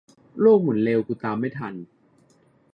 โลกหมุนเร็ว กูตามไม่ทัน